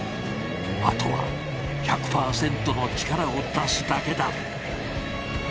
後は１００％の力を出すだけだ。